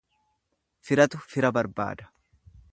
Firatu fira barbaada.